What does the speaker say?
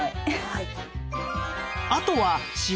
はい。